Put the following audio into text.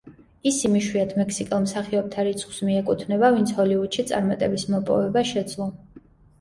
ის იმ იშვიათ მექსიკელ მსახიობთა რიცხვს მიეკუთვნება, ვინც ჰოლივუდში წარმატების მოპოვება შეძლო.